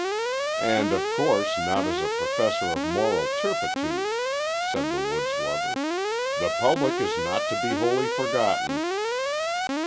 "And, of course, not as a professor of moral turpitude," said the woods lover. "The public is not to be wholly forgotten."